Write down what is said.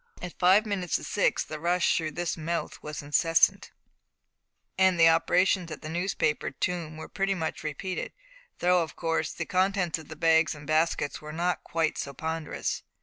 At five minutes to six the rush towards this mouth was incessant, and the operations at the newspaper tomb were pretty much repeated, though, of course, the contents of bags and baskets were not quite so ponderous.